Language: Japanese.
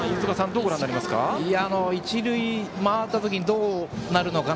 どうご覧になりますか？